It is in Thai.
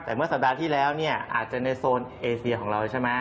แต่เมื่อสัปดาห์ที่แล้วเนี่ยอาจจะในโซนเอเชียของเราใช่ไหม